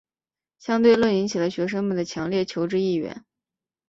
相对论引起了学生们的强烈求知意愿。